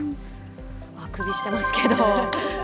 あくびしてますけど。